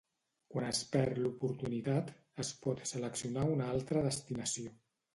Quan es perd l'oportunitat, es pot seleccionar una altra destinació.